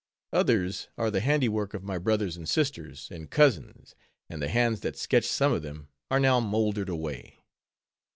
_ Others are the handiwork of my brothers, and sisters, and cousins; and the hands that sketched some of them are now moldered away.